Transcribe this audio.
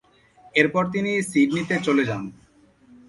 এরপর তিনি সিডনিতে চলে যান।